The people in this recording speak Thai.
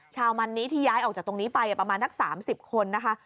ชาวมันนี้ที่ย้ายออกจากตรงนี้ไปประมาณนัก๓๐คนนะคะ